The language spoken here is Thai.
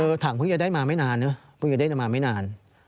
ถังเพิ่งจะได้มาไม่นานเนอะเพิ่งจะได้มาไม่นาน